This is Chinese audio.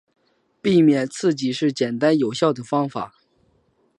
避免刺激是简单有效的方法。